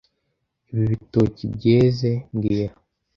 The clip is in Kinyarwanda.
Ibi bitoki byeze mbwira